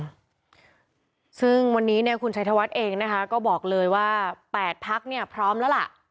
ซึ่งวันนี้เนี่ยคุณชัยธวัฒน์เองนะคะก็บอกเลยว่าแปดพักเนี่ยพร้อมแล้วล่ะ